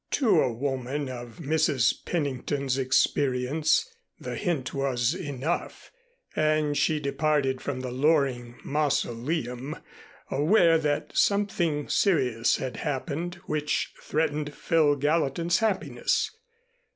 To a woman of Mrs. Pennington's experience the hint was enough and she departed from the Loring mausoleum aware that something serious had happened which threatened Phil Gallatin's happiness.